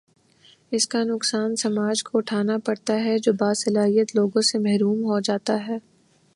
اس کا نقصان سماج کو اٹھا نا پڑتا ہے جو باصلاحیت لوگوں سے محروم ہو جا تا ہے۔